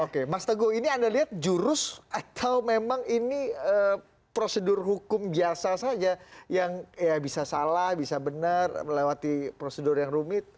oke mas teguh ini anda lihat jurus atau memang ini prosedur hukum biasa saja yang bisa salah bisa benar melewati prosedur yang rumit